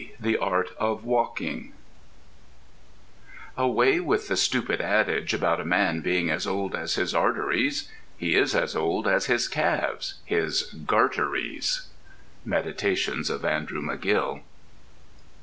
THE ART OF WALKING Away with the stupid adage about a man being as old as his arteries! He is as old as his calves—his garteries.... —Meditations of Andrew McGill.